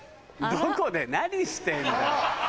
どこで何してんだよ。